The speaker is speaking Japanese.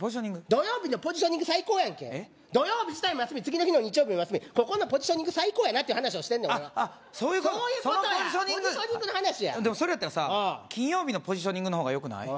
土曜日のポジショニング最高やんけ土曜日自体も休み次の日の日曜日も休みここのポジショニング最高やなって話をしてんの俺はそういうことかそのポジショニングポジショニングの話やでもそれやったらさ金曜日のポジショニングの方がよくない？